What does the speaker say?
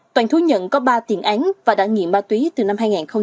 toàn thú nhận có ba tiền án và đã nghiện ma túy từ năm hai nghìn một mươi ba